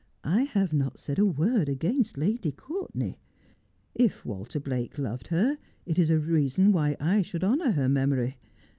' I have not said a word against Lady Courtenay. If Walter Blake loved her, it is a reason why I should honour her memory.